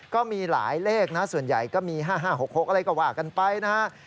ก็มีหลายเลขนะส่วนใหญ่ก็มี๕๕๖๖อะไรก็ว่ากันไปนะฮะ